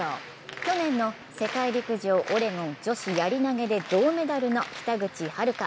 去年の世界陸上・オレゴン女子やり投げで銅メダルの北口榛花。